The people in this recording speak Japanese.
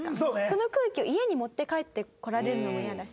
その空気を家に持って帰ってこられるのもイヤだし。